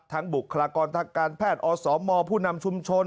ทั้งบุคลากรรมพาการแพทย์อสมผู้นำชุมชน